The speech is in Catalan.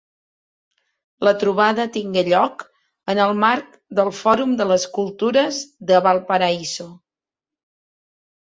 La trobada tingué lloc en el marc del Fòrum de les Cultures de Valparaíso.